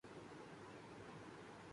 اپنی اِک خواہشِ پوشاک سے لگ کر سویا